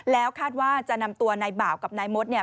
แล้วคาดว่าจะนำตัวนายบ่าวกับนายมดเนี่ย